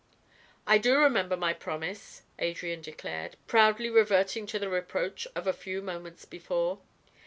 "I do remember my promise," Adrian declared, proudly reverting to the reproach of a few moments before.